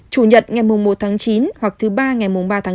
chủ nhật ngày một chín hoặc thứ ba ngày ba chín